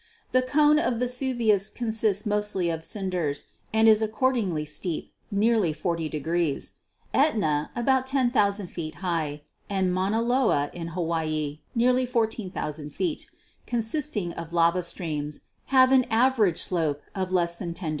The cone of Vesuvius consists mostly of cinders, and is accordingly steep, nearly 40 . Etna, about 10,000 feet high, and Mauna Loa in Hawaii, nearly 14,000 feet, con sisting of lava streams, have an average slope of less than io°.